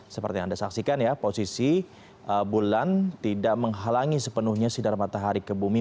seperti yang anda saksikan ya posisi bulan tidak menghalangi sepenuhnya sinar matahari ke bumi